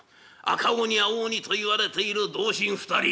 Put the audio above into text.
赤鬼青鬼といわれている同心２人。